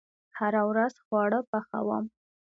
هره ورځ خواړه پخوم